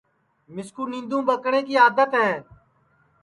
مِسکُو نینٚدُؔوم ٻکٹؔیں کی آدت ہے